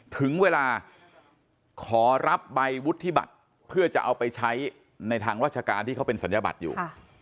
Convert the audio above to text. ถึงเวลาขอรับใบวุฒิบัตรเพื่อจะเอาไปใช้ในทางราชการที่เขาเป็นศัลยบัตรอยู่